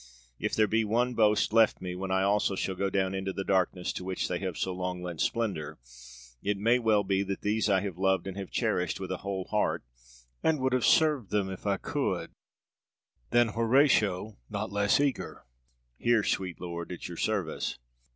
If there be one boast left me when I also shall go down into the darkness to which they have so long lent splendor, it may well be that these I have loved and have cherished with a whole heart, and would have served them if I could, than Horatio not less eager: 'Here, sweet lord, at your service.'